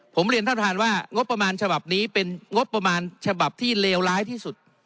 ผมเรียนท่านประธานว่างบประมาณฉบับนี้เป็นงบประมาณฉบับที่เลวร้ายที่สุด